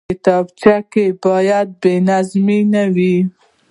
کتابچه کې باید بېنظمي نه وي